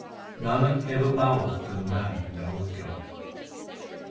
Nanak ever boweth to the man who knoweth God.